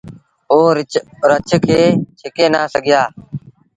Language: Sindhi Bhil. او رڇ کي ڇڪي نآ سگھيآ۔